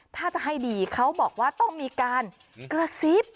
ถ้าจะให้ดีเขาบอกว่าต้องมีการกระซิบ